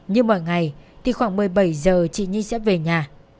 nhưng mỗi ngày thì khoảng một mươi bảy giờ chị nhi sẽ về nhà